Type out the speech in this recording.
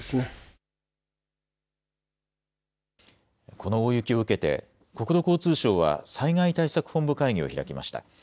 この大雪を受けて国土交通省は災害対策本部会議を開きました。